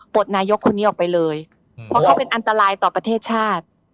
นายกคนนี้ออกไปเลยเพราะเขาเป็นอันตรายต่อประเทศชาติ